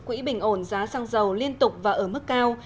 quỹ bình ổn giá xăng dầu liên tục và ở mức cao